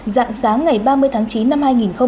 dạng sáng ngày ba mươi tháng chín năm hai nghìn hai mươi